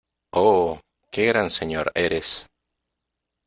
¡ oh , qué gran señor eres !